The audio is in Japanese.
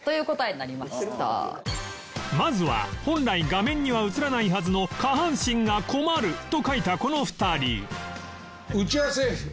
まずは本来画面には映らないはずの下半身が困ると書いたこの２人ハハハハ！